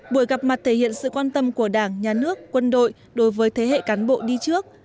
buổi gặp mặt thể hiện sự quan tâm của đảng nhà nước quân đội đối với thế hệ cán bộ đi trước